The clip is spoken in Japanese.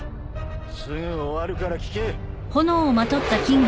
すぐ終わるから聞け。